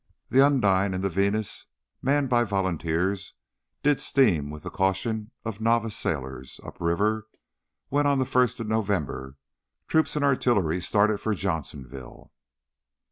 The Undine and the Venus, manned by volunteers, did steam with the caution of novice sailors upriver when on the first of November troops and artillery started to Johnsonville.